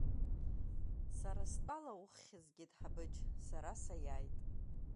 Сара стәала, уххь згеит, Ҳабыџь, сара саиааит!